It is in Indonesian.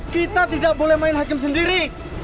kita tidak boleh main hakim sendiri